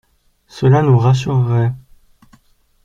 Cela nous rassurerait.